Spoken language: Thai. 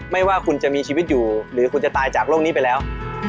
ไม่ว่าคุณจะมีชีวิตอยู่หรือคุณจะตายจากโลกนี้ไปแล้ว